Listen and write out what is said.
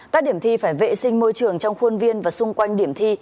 các điểm thi phải vệ sinh môi trường trong khuôn viên và xung quanh điểm thi